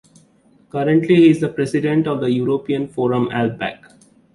Currently he is President of the European Forum Alpbach.